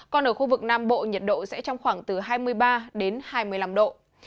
còn ở khu vực nam bộ nhiệt độ sẽ trong khoảng từ hai mươi ba đến hai mươi năm độ